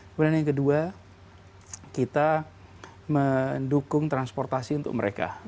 kemudian yang kedua kita mendukung transportasi untuk mereka